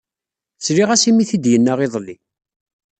Sliɣ-as imi t-id-yenna iḍelli.